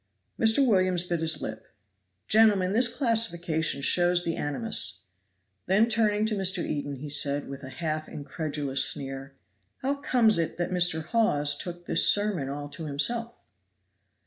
Mr. Williams bit his lip. "Gentlemen, this classification shows the animus;" then turning to Mr. Eden he said, with a half incredulous sneer, "How comes it that Mr. Hawes took this sermon all to himself?"